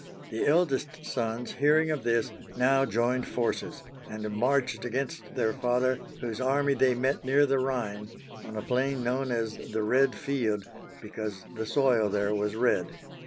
The eldest sons, hear ing of this, now joined forces and marched against their father, whose army they met near the Rhine, on a plain known as the Red Field, because the soil there was red (833).